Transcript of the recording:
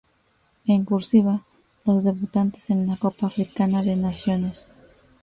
En "cursiva", los debutantes en la Copa Africana de Naciones.